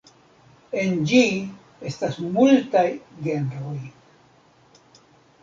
En ĝi estas multaj genroj.